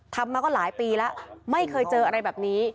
ทำมาก็หลายปีแล้วไม่เคยเจออะไรแบบนี้